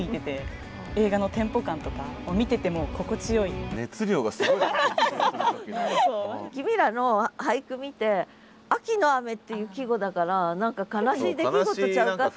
本当にもう君らの俳句見て「秋の雨」っていう季語だから何か悲しい出来事ちゃうかって。